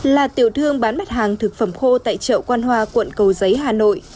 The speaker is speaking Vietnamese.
là tiểu thương bán mặt hàng thực phẩm khô tại chợ quan hoa quận cầu giấy hà nội